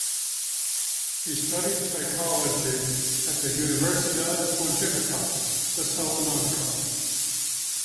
He studied psychology at the Universidad Pontificia de Salamanca.